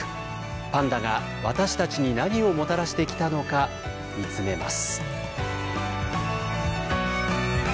パンダが私たちに何をもたらしてきたのか見つめます。